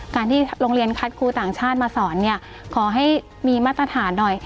การที่โรงเรียนคัดครูต่างชาติมาสอนเนี่ยขอให้มีมาตรฐานหน่อย